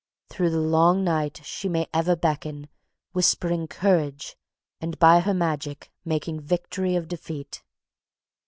Through the long night she may ever beckon, whispering courage, and by her magic making victory of defeat.